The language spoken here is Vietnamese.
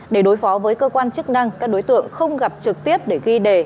để đối phó với cơ quan chức năng các đối tượng không gặp trực tiếp để ghi đề